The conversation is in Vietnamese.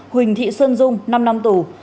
huỳnh thị xuân dung năm năm tù